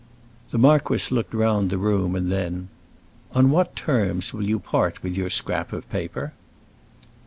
The marquis looked round the room a moment, and then, "On what terms will you part with your scrap of paper?"